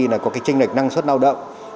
là có cái chênh lệch năng suất lao động